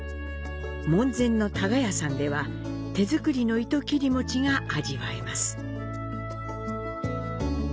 門前の「多賀や」さんでは、手作りの糸切餅が味わえます。